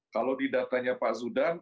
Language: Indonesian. kalau di datanya pak zudan